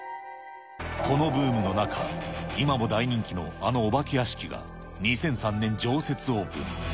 このブームの中、今も大人気のあのお化け屋敷が、２００３年常設オープン。